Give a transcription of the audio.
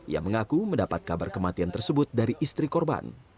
ia mengaku mendapat kabar kematian tersebut dari istri korban